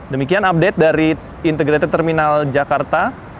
demikian update dari integrated terminal jakarta